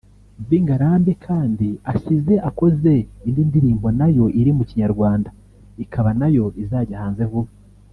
Bobby Ngarambe kandi asize akoze indi ndirimbo na yo iri mu Kinyarwanda ikaba na yo izajya hanze vuba